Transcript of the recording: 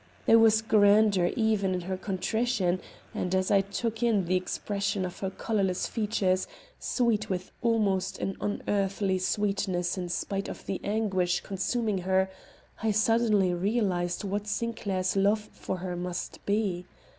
There was grandeur even in her contrition and, as I took in the expression of her colorless features, sweet with almost an unearthly sweetness in spite of the anguish consuming her, I suddenly realized what Sinclair's love for her must be.